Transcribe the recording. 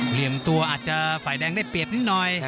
เหลี่ยมตัวอาจจะฝ่ายแดงได้เปรียบนิดหน่อย